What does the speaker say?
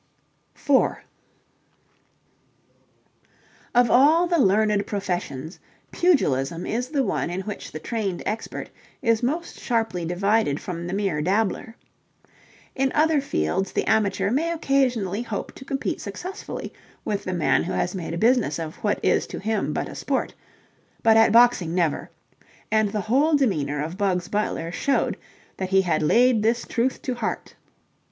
4 Of all the learned professions, pugilism is the one in which the trained expert is most sharply divided from the mere dabbler. In other fields the amateur may occasionally hope to compete successfully with the man who has made a business of what is to him but a sport, but at boxing never: and the whole demeanour of Bugs Butler showed that he had laid this truth to heart.